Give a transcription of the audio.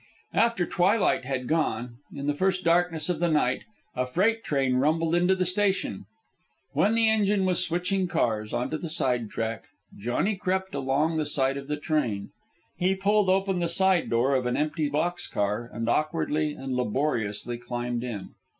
After twilight had gone, in the first darkness of the night, a freight train rumbled into the station. When the engine was switching cars on to the side track, Johnny crept along the side of the train. He pulled open the side door of an empty box car and awkwardly and laboriously climbed in.